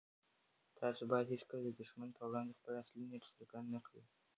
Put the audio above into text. تاسو بايد هيڅکله د دښمن په وړاندې خپل اصلي نيت څرګند نه کړئ.